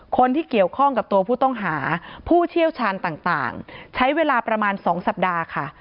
คนที่เกี่ยวข้องกับตัวผู้ต้องหาผู้เชี่ยวชาญต่างใช้เวลาประมาณ๒สัปดาห์ค่ะ